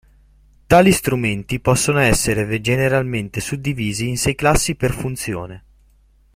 Tali strumenti possono essere generalmente suddivisi in sei classi per funzione.